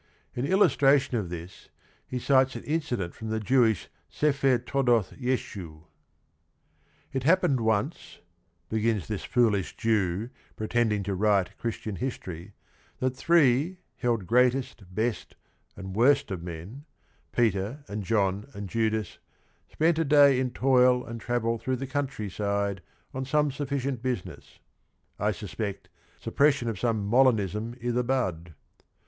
In illustra tion of this he cites an incident from the Jewish "Sepher Toldoth Yeschu" : fit happened once, — begins this foolish Jew, Pretending to write Christian history, — That three, held greatest, best, and worst of men, Peter and John and Judas, spent a day In toil and travel through the country side On some sufficient business — I suspect, Suppression of some Molinism i' the bud.